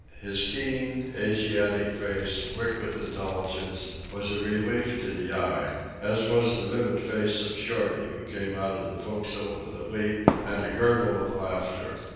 His keen, Asiatic face, quick with intelligence, was a relief to the eye, as was the vivid face of Shorty, who came out of the forecastle with a leap and a gurgle of laughter.